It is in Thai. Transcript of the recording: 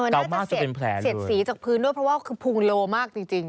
น่าจะเสียดสีจากพื้นด้วยเพราะว่าคือพุงโลมากจริง